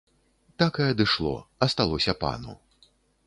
Так і адышло, асталося пану.